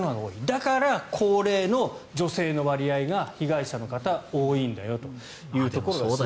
だから、高齢の女性の割合が被害者の方多いんだよというところ。